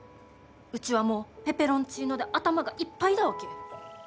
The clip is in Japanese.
うちはもうペペロンチーノで頭がいっぱいだわけ。